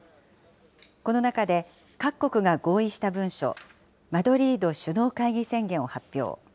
この中で各国が合意した文書、マドリード首脳会議宣言を発表。